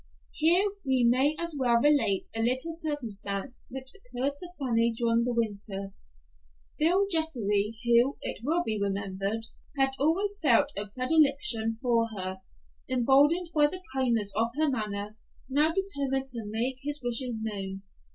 Here we may as well relate a little circumstance which occurred to Fanny during the winter. Bill Jeffrey, who, it will be remembered, had always felt a predilection for her, emboldened by the kindness of her manner, now determined to make his wishes known.